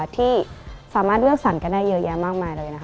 ที่สามารถเลือกสรรกันได้เยอะแยะมากมายเลยนะคะ